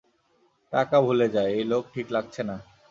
টাকা ভুলে যা, এই লোক ঠিক লাগছে না।